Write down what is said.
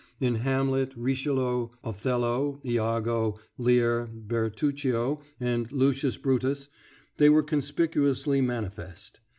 In Hamlet, Richelieu, Othello, Iago, Lear, Bertuccio, and Lucius Brutus they were conspicuously manifest.